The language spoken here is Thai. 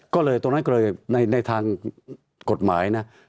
ก็เลยตรงนั้นก็เลยในทางกฎหมายนะ